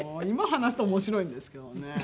今話すと面白いんですけどね。